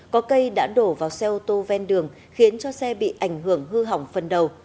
có cây đã đổ vào xe ô tô ven đường khiến cho xe bị ảnh hưởng hư hỏng phần đầu